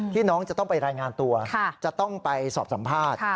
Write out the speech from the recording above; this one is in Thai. น้องจะต้องไปรายงานตัวจะต้องไปสอบสัมภาษณ์